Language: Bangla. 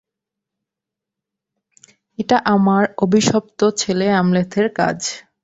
এটা আমার অভিশপ্ত ছেলে অ্যামলেথের কাজ।